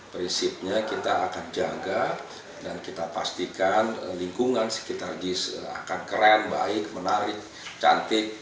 prinsipnya kita akan jaga dan kita pastikan lingkungan sekitar jis akan keren baik menarik cantik